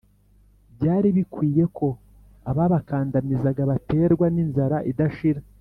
Byari bikwiye ko ababakandamizaga baterwa n’inzara idashira,